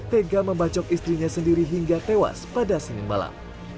tega membacok istrinya sendiri hingga tewas pada senin malam